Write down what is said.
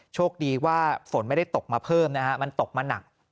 โชคดีว่าฝนไม่ได้ตกมาเพิ่มนะฮะมันตกมาหนัก